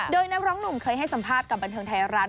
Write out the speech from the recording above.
โดยนักร้องหนุ่มเคยให้สัมภาษณ์กับบันเทิงไทยรัฐ